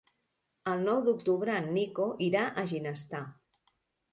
El nou d'octubre en Nico irà a Ginestar.